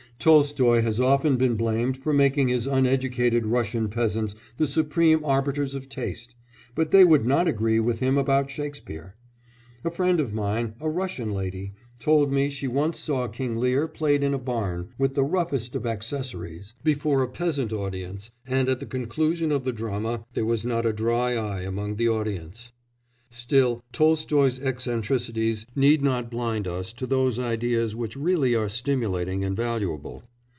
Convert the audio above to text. Tolstoy has often been blamed for making his uneducated Russian peasants the supreme arbiters of taste, but they would not agree with him about Shakespeare. A friend of mine, a Russian lady, told me she once saw King Lear played in a barn, with the roughest of accessories, before a peasant audience, and, at the conclusion of the drama, there was not a dry eye among the audience. Still Tolstoy's eccentricities need not blind us to those ideas which really are stimulating and valuable.